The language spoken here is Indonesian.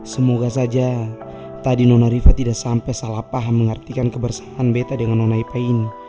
semoga saja tadi nona rifai tidak sampai salah paham mengertikan kebersamaan beta dengan nona ipa ini